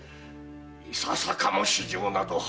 いささかも私情などは。